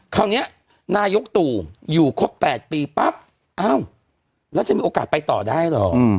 คราวนี้นายกตู่อยู่ครบ๘ปีปั๊บอ้าวแล้วจะมีโอกาสไปต่อได้เหรอ